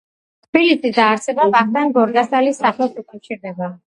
თბილისის დაარსება ვახტანგ გორგასალის სახელს უკავშირდება.